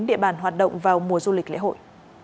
địa bàn hoạt động vào mùa du lịch lễ hội